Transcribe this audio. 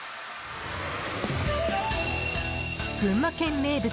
群馬県名物